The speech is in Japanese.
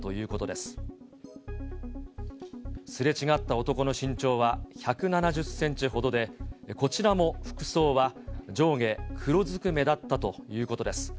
すれ違った男の身長は１７０センチほどで、こちらも服装は上下黒ずくめだったということです。